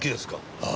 ああ。